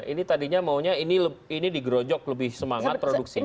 ini tadinya maunya ini di grojok lebih semangat produksinya